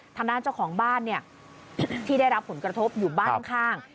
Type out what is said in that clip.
ทางด้านเจ้าของบ้านเนี่ยที่ได้รับผลกระทบอยู่บ้านข้าง